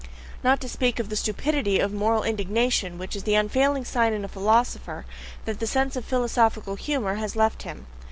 not to speak of the stupidity of moral indignation, which is the unfailing sign in a philosopher that the sense of philosophical humour has left him.